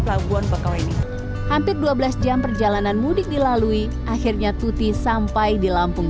labuan bakau ini hampir dua belas jam perjalanan mudik dilalui akhirnya tuti sampai di lampung